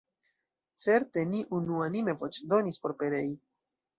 Certe ni unuanime voĉdonis por perei.